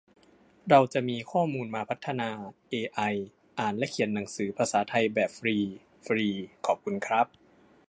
เราจะได้มีข้อมูลมาพัฒนา เอไอ อ่านและเขียนหนังสือภาษาไทยแบบฟรี ฟรี ขอบคุณครับ